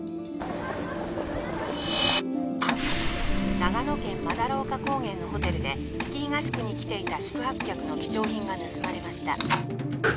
長野県斑丘高原のホテルでスキー合宿に来ていた宿泊客の貴重品が盗まれました